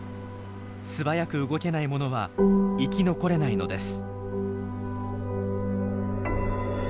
素早く動けない者は生き残れないのです。